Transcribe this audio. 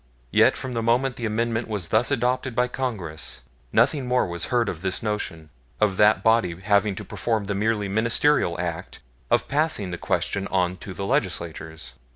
Yet from the moment the Amendment was thus adopted by Congress, nothing more was heard of this notion of that body having performed the merely ministerial act of passing the question on to the Legislatures.